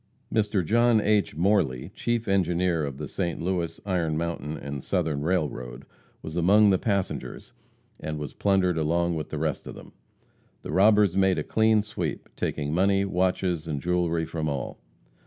Mr. John H. Morley, chief engineer of the St. Louis, Iron Mountain & Southern Railroad, was among the passengers, and was plundered along with the rest of them. The robbers made a clean sweep, taking money, watches and jewelry from all.